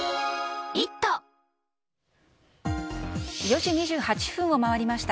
４時２８分を回りました。